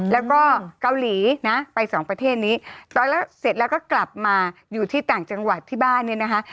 แล้วก็เกาหลีนะไปสองประเทศนี้เสร็จแล้วก็กลับมาอยู่ที่ต่างจังหวัดที่บ้านเนี่ยนะคะ